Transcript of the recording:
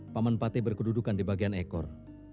paman pate berkedudukan di bagian ekor